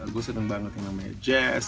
gue seneng banget yang namanya jazz